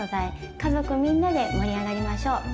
家族みんなで盛り上がりましょう。